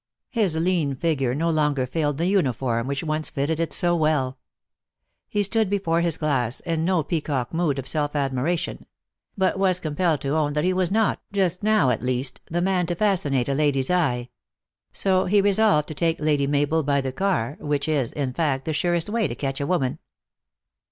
His lean figure no longer filled the uni form which once fitted it so well. He stood before his glass in no peacock mood of self admiration ; but was compelled to own that he was not, just now at least, the man to fascinate a lady s eye; so he re solved to take Lady Mabel by the ear, which is, in fact, the surest way to catch a woman.